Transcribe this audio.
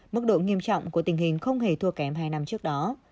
mức độ nghiêm trọng của tình hình không hề thua kém hai năm trước đó